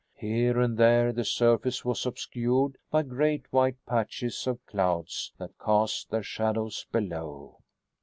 Here and there the surface was obscured by great white patches of clouds that cast their shadows below.